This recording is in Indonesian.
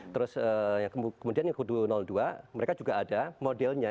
terus kemudian yang kedua dua mereka juga ada modelnya